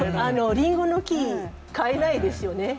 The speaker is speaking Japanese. りんごの木、買えないですよね。